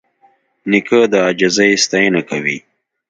نیکه د عاجزۍ ستاینه کوي.